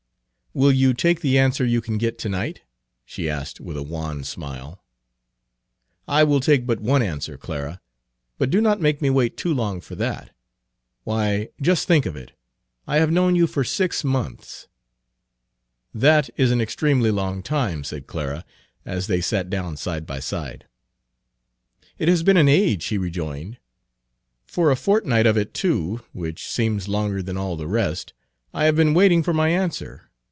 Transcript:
"Will you take the answer you can get tonight?" she asked with a wan smile. "I will take but one answer, Clara. But do not make me wait too long for that. Why, just think of it! I have known you for six months." "That is an extremely long time," said Clara, as they sat down side by side. "It has been an age," he rejoined. "For a fortnight of it, too, which seems longer than all the rest, I have been waiting for my answer.